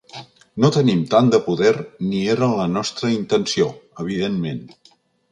No tenim tant de poder ni era la nostra intenció, evidentment.